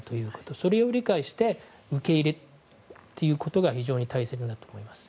それを理解して受け入れるということが非常に大切だと思います。